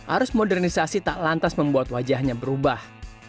arus modernisasi tak lantas membuat wajahnya berubah